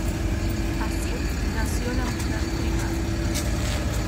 Así nació la Mujer Privat.